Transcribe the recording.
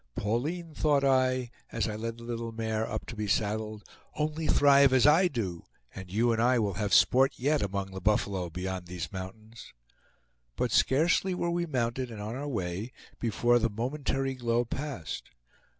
"Pauline," thought I, as I led the little mare up to be saddled, "only thrive as I do, and you and I will have sport yet among the buffalo beyond these mountains." But scarcely were we mounted and on our way before the momentary glow passed.